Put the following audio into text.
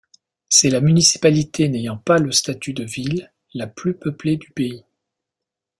C'est la municipalité n'ayant pas le statut de ville la plus peuplée du pays.